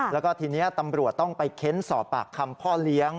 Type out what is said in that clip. แล้วก็ทีนี้ตำรวจต้องไปเค้นสอบปากคำพ่อเลี้ยง